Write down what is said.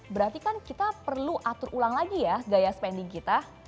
berarti kan kita perlu atur ulang lagi ya gaya spending kita